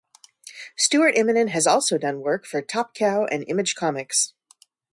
Stuart Immonen has also done work for Top Cow and Image Comics.